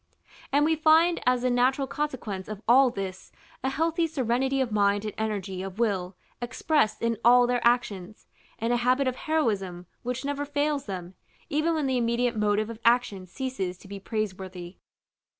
And we find as the natural consequence of all this, a healthy serenity of mind and energy of will expressed in all their actions, and a habit of heroism which never fails them, even when the immediate motive of action ceases to be praiseworthy.